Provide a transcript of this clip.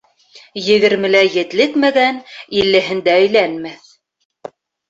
Егермелә етлекмәгән иллеһендә өйләнмәҫ.